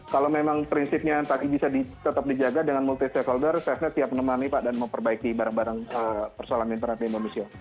kalau memang prinsipnya tadi bisa tetap dijaga dengan multi stakeholder safenet siap menemani pak dan memperbaiki barang barang persoalan internet di indonesia